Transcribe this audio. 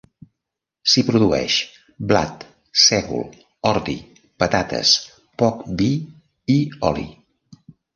S'hi produeix blat, sègol, ordi, patates, poc vi i oli.